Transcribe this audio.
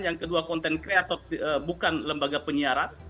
yang kedua konten kreator bukan lembaga penyiaran